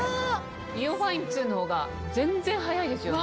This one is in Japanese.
ＩＯファイン２の方が全然早いですよね。